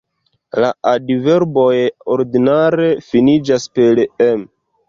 La adverboj ordinare finiĝas per -em.